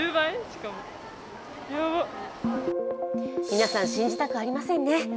皆さん信じたくありませんね。